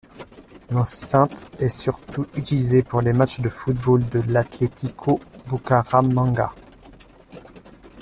L'enceinte est surtout utilisée pour les matchs de football de l'Atlético Bucaramanga.